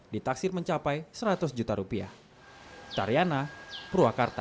ditaksir mencapai seratus juta rupiah tariana purwakarta